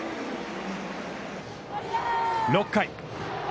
６回。